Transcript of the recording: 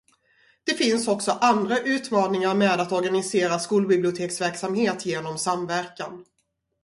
Det finns också andra utmaningar med att organisera skolbiblioteksverksamhet genom samverkan.